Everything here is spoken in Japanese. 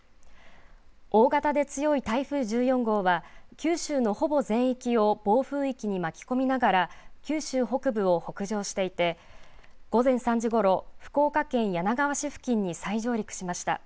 大型で強い台風１４号は、九州のほぼ全域を暴風域に巻き込みながら九州北部を北上していて、午前３時ごろ福岡県柳川市付近に再上陸しました。